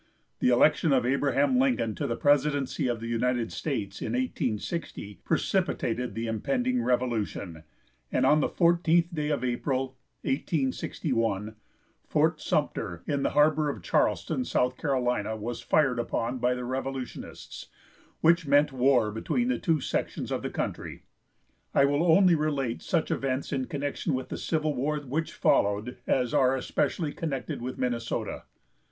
The election of Abraham Lincoln to the presidency of the United States, in 1860, precipitated the impending revolution, and on the fourteenth day of April, 1861, Fort Sumter, in the harbor of Charleston, South Carolina, was fired upon by the revolutionists, which meant war between the two sections of the country. I will only relate such events in connection with the Civil War which followed as are especially connected with Minnesota.